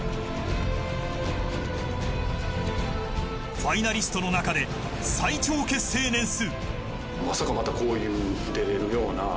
ファイナリストの中で最長結成年数。